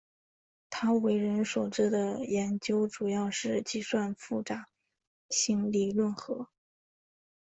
他为人所知的研究主要是计算复杂性理论和。